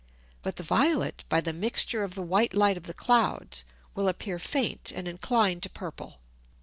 But the violet, by the mixture of the white Light of the Clouds, will appear faint and incline to purple.